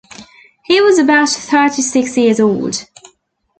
He was about thirty-six years old.